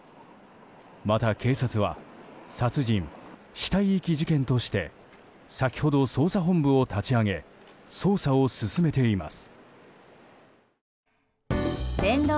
また、警察は殺人・死体遺棄事件として先ほど捜査本部を立ち上げ捜査を進めています。